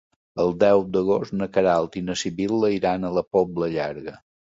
El deu d'agost na Queralt i na Sibil·la iran a la Pobla Llarga.